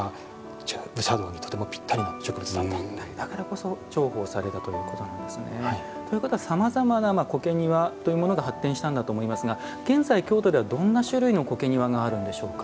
苔というのはだからこそ重宝されたということなんですね。ということはさまざまな苔庭というものが発展したんだと思いますが現在、京都ではどんな種類の苔庭があるんでしょうか。